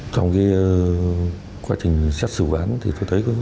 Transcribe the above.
trong quá trình xét xử ván tôi thấy có